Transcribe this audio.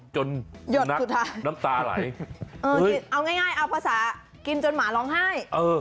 หยดสุดท้ายน้ำตาไหลเอาง่ายเอาภาษากินจนหมาร้องไห้